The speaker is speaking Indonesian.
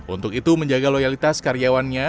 untuk itu menjaga loyalitas karyawannya